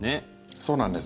そうなんです。